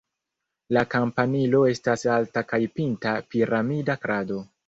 La kampanilo estas alta kaj pinta piramida krado.